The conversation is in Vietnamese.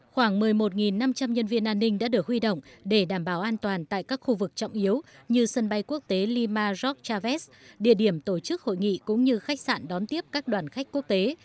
khoảng một mươi một năm trăm linh nhân viên an ninh đã được huy động để đảm bảo an toàn tại các khu vực trọng yếu như sân bay quốc tế lima gork travest địa điểm tổ chức hội nghị cũng như khách sạn đón tiếp các đoàn khách quốc tế